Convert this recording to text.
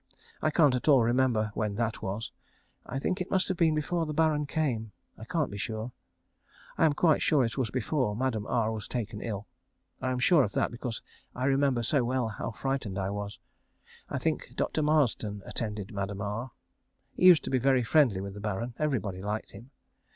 I can't at all remember when that was. I think it must have been before the Baron came. I can't be sure. I am quite sure it was before Madame R was taken ill. I am sure of that because I remember so well how frightened I was. I think Dr. Marsden attended Madame R. He used to be very friendly with the Baron. Everybody liked him.